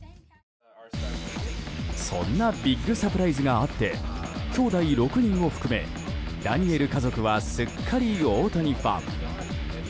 そんなビッグサプライズがあって兄弟６人を含めダニエル家族はすっかり大谷ファン。